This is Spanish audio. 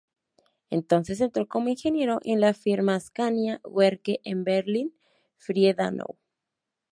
Entonces entró como ingeniero en la firma Askania-Werke en Berlin-Friedenau.